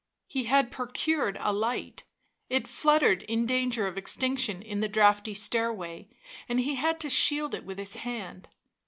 He had procured a light; it fluttered in danger of extinction in the draughty stairway, and he had to shield it with his hand.